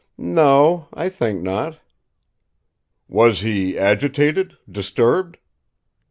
"No; I think not." "Was he agitated, disturbed?"